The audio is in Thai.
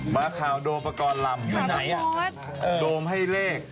มาข่าวโดมประกอบลำอยู่ไหนโดมให้เลข